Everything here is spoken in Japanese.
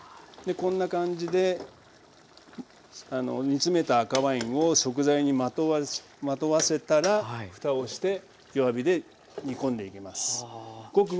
こんな感じで煮詰めた赤ワインを食材にまとわせたらふたをして弱火で煮込んでいきます。